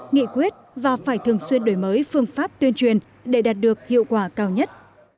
nghị quyết và phải thường xuyên đổi mới phương pháp tuyên truyền để đạt được hiệu quả cao nhất